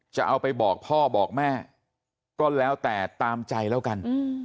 จะเอาไปบอกพ่อบอกแม่ก็แล้วแต่ตามใจแล้วกัน